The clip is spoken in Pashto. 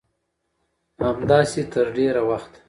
همداسې تر ډېره وخته